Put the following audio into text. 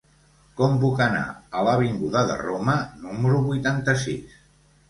Com puc anar a l'avinguda de Roma número vuitanta-sis?